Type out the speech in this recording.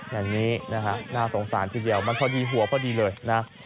อย่างนี้นะฮะน่าสงสารทีเดียวมันพอดีหัวพอดีเลยนะ